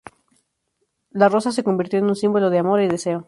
La Rosa se convirtió en un símbolo de amor y deseo.